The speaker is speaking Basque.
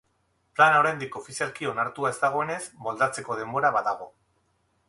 Plana oraindik ofizialki onartua ez dagoenez, moldatzeko denbora badago.